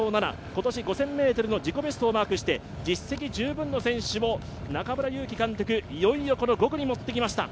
今年５０００ｍの自己ベストをマークして実績十分の選手も、中村悠希監督、５区に持ってきました。